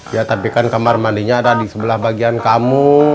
ya tapi kan kamar mandinya ada di sebelah bagian kamu